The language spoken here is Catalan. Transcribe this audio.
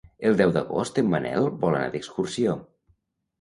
El deu d'agost en Manel vol anar d'excursió.